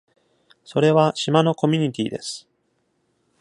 それは島のコミュニティです。